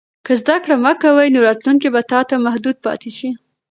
که زده کړه مه کوې، نو راتلونکی به تا ته محدود پاتې شي.